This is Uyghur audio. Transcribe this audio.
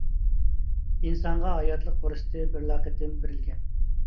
ئىنسانغا ھاياتلىق پۇرسىتى بىرلا قېتىم بېرىلگەن.